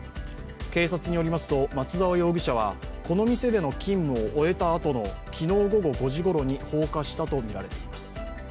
警察によりますと、松沢容疑者はこの店での勤務を終えたあとの昨日午後５時ごろに放火したとみられています。